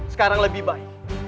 sekarang lebih baik